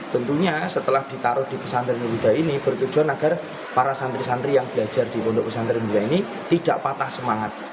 tentunya setelah ditaruh di pesantren wida ini bertujuan agar para santri santri yang belajar di pondok pesantren hidaya ini tidak patah semangat